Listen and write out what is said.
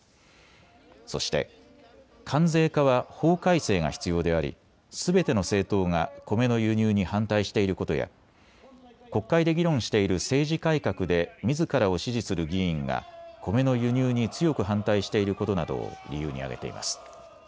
そして、関税化は法改正が必要でありすべての政党がコメの輸入に反対していることや国会で議論している政治改革でみずからを支持する議員がコメの輸入に強く反対していることなどを理由に挙げています。